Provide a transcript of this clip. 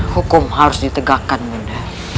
hukum harus ditegakkan bunda